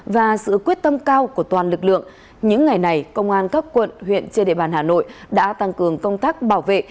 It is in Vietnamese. và sự quyết tâm cao của toàn lực lượng những ngày này công an các quận huyện trên địa bàn hà nội đã tăng cường công tác bảo vệ